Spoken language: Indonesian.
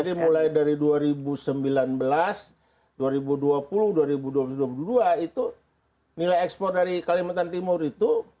jadi mulai dari dua ribu sembilan belas dua ribu dua puluh dua ribu dua puluh dua itu nilai ekspor dari kalimantan timur itu